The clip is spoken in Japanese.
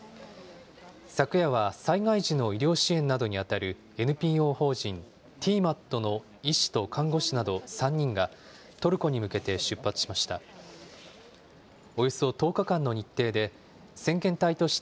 昨夜は災害時の医療支援などに当たるＮＰＯ法人ＴＭＡＴの医師と看護師など３人が、トルコに向けて出発しました。